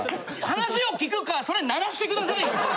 話を聞くかそれ鳴らしてくださいよ。